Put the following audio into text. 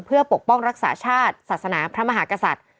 เพื่อปกป้องรักษาชาติศาสนาพระมหากษัตริย์